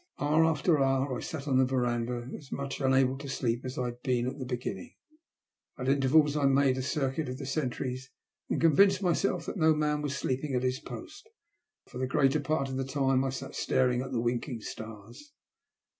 Hour after hour I sat on in the verandah, as much unable to sleep as I had been at the beginning. At intervals I made a circuit of the sentries, and con vinced myself that no man was sleeping at his post, but for the greater part of the time I sat staring at the winking stars.